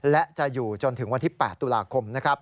และจะอยู่จนถึงวันที่๘ตุลาคม